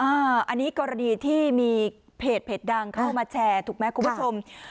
อันนี้กรณีที่มีเพจดังเข้ามาแชร์ถูกไหมคุณผู้ชม